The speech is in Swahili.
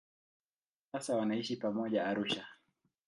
Sasa wanaishi pamoja Arusha.